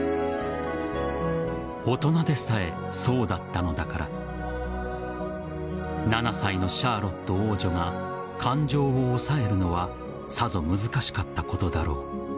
大人でさえ、そうだったのだから７歳のシャーロット王女が感情を抑えるのはさぞ難しかったことだろう。